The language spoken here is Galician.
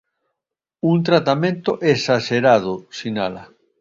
Un tratamento "esaxerado", sinala.